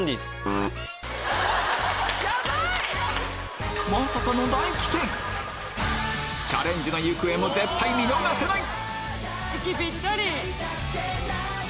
まさかのチャレンジの行方も絶対見逃せない！